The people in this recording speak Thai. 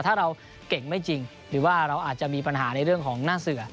ถ้าเราเก่งไม่จริงหรือว่าเราอาจจะมีปัญหาในเรื่องของหน้าเสือ